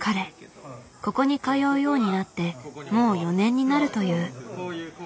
ここに通うようになってもう４年になるという。